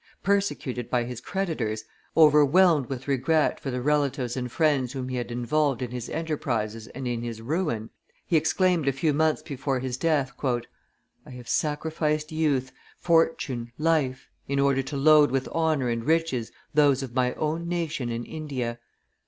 Persecuted by his creditors, overwhelmed with regret for the relatives and friends whom he had involvedin his enterprises and in his ruin, he exclaimed a few months before his death, "I have sacrificed youth, fortune, life, in order to load with honor and riches those of my own nation in Asia.